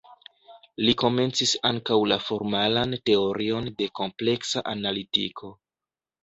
Li komencis ankaŭ la formalan teorion de kompleksa analitiko.